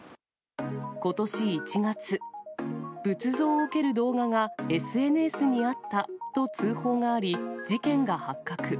ことし１月、仏像を蹴る動画がＳＮＳにあったと通報があり、事件が発覚。